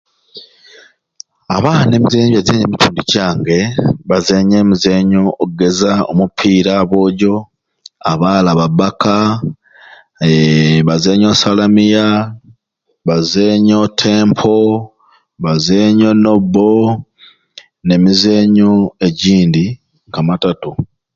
Abaana emizenyi gyebazenya omu kitundu kyange bazenya emizenyo ogeza omupiira abwojo abaala babaka eeeh bazenya osalamiya bazenya otempo bazenya onobo n'emizenyo egyindi nko matatu